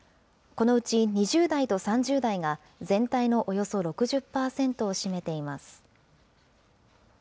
このうち２０代と３０代が全体のおよそ６０％を占めています。